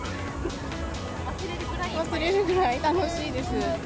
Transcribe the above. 忘れるぐらい楽しいです。